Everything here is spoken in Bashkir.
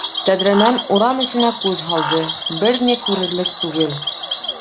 Тәҙрәнән урам эсенә күҙ һалды - бер ни күрерлек түгел.